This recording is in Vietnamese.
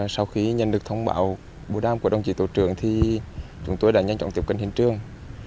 sau khi nhận được thông báo bố đám của đồng chí tổ trưởng thì chúng tôi đã nhanh chóng tiếp cận hiện trường